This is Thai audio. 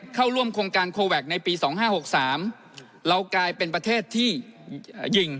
เข้าร่วมโครแวคในปีสองห้าหกสามเรากลายเป็นประเทศที่ยิ่ง